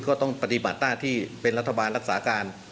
ก็ต้องปฏิบัติหน้าที่เป็นรัฐบาลรักษาการ